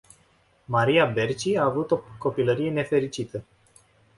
Maria Berci a avut o copilărie nefericită.